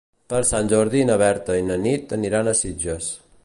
Per Sant Jordi na Berta i na Nit aniran a Sitges.